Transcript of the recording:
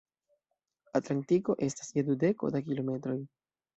Atlantiko estas je dudeko da kilometroj.